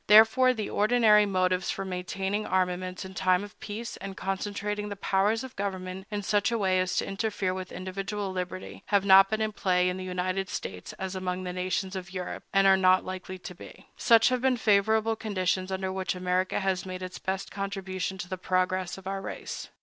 Therefore, the ordinary motives for maintaining armaments in time of peace, and concentrating the powers of government in such a way as to interfere with individual liberty, have not been in play in the United States as among the nations of Europe, and are not likely to be. Such have been the favorable conditions under which America has made its best contribution to the progress of our race.